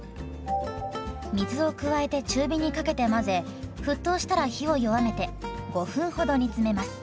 水を加えて中火にかけて混ぜ沸騰したら火を弱めて５分ほど煮詰めます。